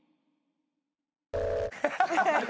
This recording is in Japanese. ハハハハ！